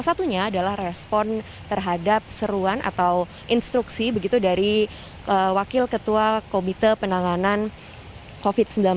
satunya adalah respon terhadap seruan atau instruksi begitu dari wakil ketua komite penanganan covid sembilan belas